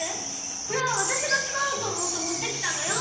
これはわたしがつかおうとおもってもってきたのよ！